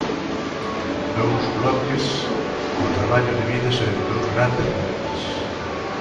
Dous bloques: o traballo divídese en dous grandes bloques.